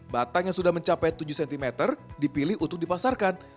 batang yang sudah mencapai tujuh cm dipilih untuk dipasarkan